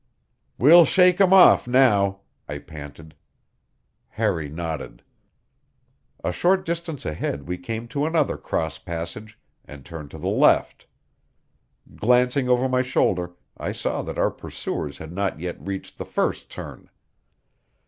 "We'll shake 'em off now," I panted. Harry nodded. A short distance ahead we came to another cross passage, and turned to the left. Glancing over my shoulder, I saw that our pursuers had not yet reached the first turn.